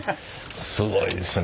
すごいですね。